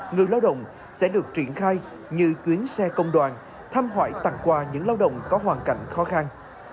người lao động sẽ được triển khai như chuyến xe công đoàn tham hoại tặng qua những lao động có hoàn cảnh khó khăn